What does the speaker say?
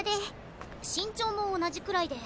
身長も同じくらいで。